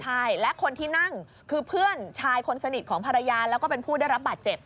ใช่และคนที่นั่งคือเพื่อนชายคนสนิทของภรรยาแล้วก็เป็นผู้ได้รับบาดเจ็บ